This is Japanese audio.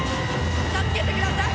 助けてください！